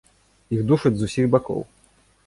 Іх душаць з усіх бакоў.